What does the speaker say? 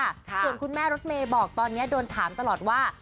ส่วนคุณแม่รถเมย์บอกตอนนี้โดนถามตลอดว่า